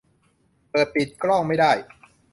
เปิด-ปิดกล้องไม่ได้